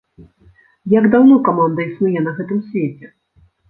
Як даўно каманда існуе на гэтым свеце?